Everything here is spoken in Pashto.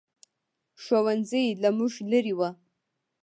ښوؤنځی له موږ لرې ؤ